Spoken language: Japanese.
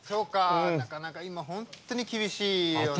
なかなか本当に、今、厳しいわよね。